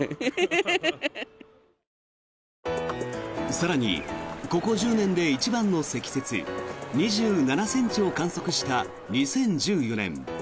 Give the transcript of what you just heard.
更に、ここ１０年で一番の積雪２７ｃｍを観測した２０１４年。